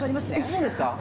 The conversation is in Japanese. いいんですか？